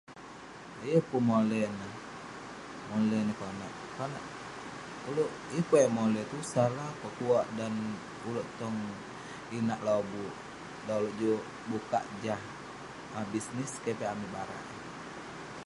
Yeng pun mole meh mole neh konak oluek yeng pun yah mole neh pun salah yeng pun pekuak uluek tong inak lobuk dan oluek juk bukak Jah bisnis keh piak amik barak